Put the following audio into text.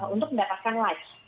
untuk mendapatkan likes